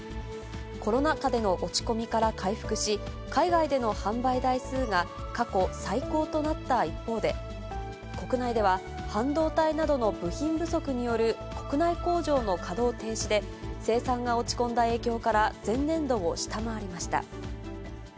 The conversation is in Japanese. コロナ禍での落ち込みから回復し、海外での販売台数が過去最高となった一方で、国内では、半導体などの部品不足による国内工場の稼働停止で、生産が落ち込んだ影響から、前年度を下回りました。